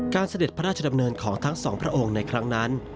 เสด็จพระราชดำเนินของทั้งสองพระองค์ในครั้งนั้น